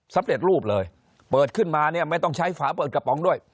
สำเร็จรูปเลยเปิดขึ้นมาเนี่ยไม่ต้องใช้ฝาเปิดกระป๋องด้วย